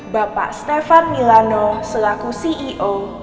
bapak stefan milano selaku ceo